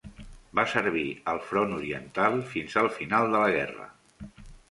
Va servir al Front Oriental fins al final de la guerra.